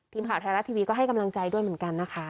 ทีมข่าวไทยรัฐทีวีก็ให้กำลังใจด้วยเหมือนกันนะคะ